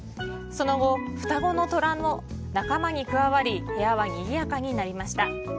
その後、双子の虎も仲間に加わり、部屋はにぎやかになりました。